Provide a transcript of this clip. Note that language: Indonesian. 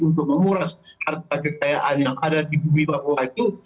untuk menguras harta kekayaan yang ada di bumi papua itu